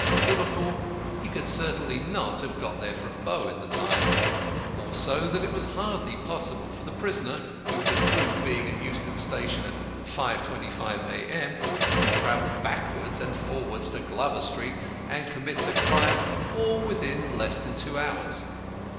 for Liverpool, he could certainly not have got there from Bow in the time; also that it was hardly possible for the prisoner, who could prove being at Euston Station at 5.25 A.M., to travel backwards and forwards to Glover Street and commit the crime all within less than two hours.